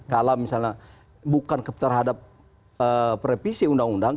kalau misalnya bukan terhadap revisi undang undang